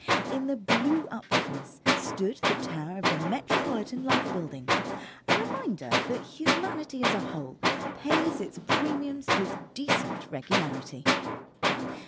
In the blue upwardness stood the tower of the Metropolitan Life Building, a reminder that humanity as a whole pays its premiums with decent regularity.